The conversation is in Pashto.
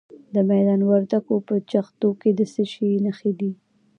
د میدان وردګو په جغتو کې د څه شي نښې دي؟